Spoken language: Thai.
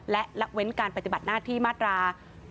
และละเว้นการปฏิบัติหน้าที่มาตรา